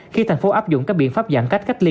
khi tp hcm áp dụng các biện pháp giãn cách cách ly